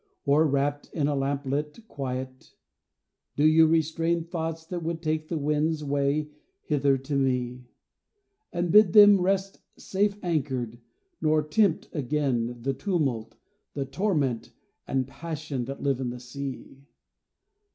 Or, wrapt in a lamplit quiet, do you restrain Thoughts that would take the wind's way hither to me, And bid them rest safe anchored, nor tempt again The tumult, and torment, and passion that live in the sea?